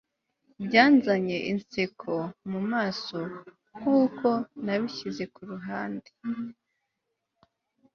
byanzanye inseko mumaso nkuko nabishyize kuruhande